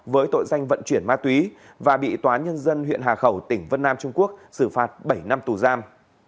với tội danh vận chuyển ma túy và bị tòa nhân dân huyện hà khẩu tỉnh vân nam trung quốc xử phạt bảy năm tù giam